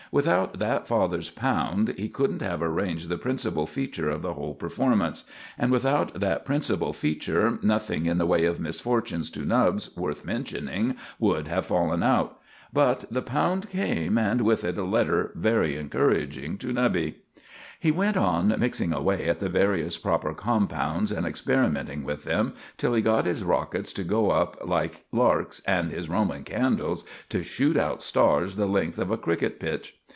Without that father's pound he couldn't have arranged the principal feature of the whole performance; and without that principal feature nothing in the way of misfortunes to Nubbs worth mentioning would have fallen out. But the pound came, and with it a letter very encouraging to Nubby. He went on mixing away at the various proper compounds and experimenting with them till he got his rockets to go up like larks and his Roman candles to shoot out stars the length of a cricket pitch.